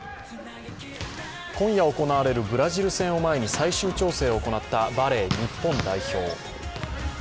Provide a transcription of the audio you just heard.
今夜行われるブラジル戦を前に最終調整を行ったバレー、日本代表。